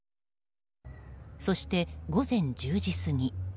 そして、午前１０時過ぎ。